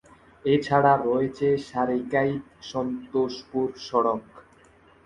এছাড়া রয়েছে সারিকাইত-সন্তোষপুর সড়ক।